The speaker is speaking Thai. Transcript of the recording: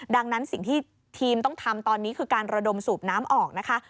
ดังนั้นสิ่งที่ทีมต้องทำตอนนี้คือการระดมสูบน้ำออกนะคะ